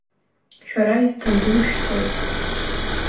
Шәара Исҭамбулшәцоит.